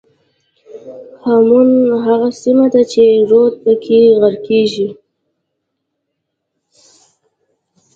هامون هغه سیمه ده چې رود پکې غرقېږي.